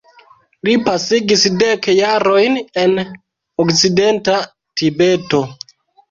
Li pasigis dek jarojn en Okcidenta Tibeto.